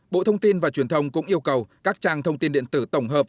bộ thông tin và truyền thông cũng yêu cầu các trang thông tin điện tử tổng hợp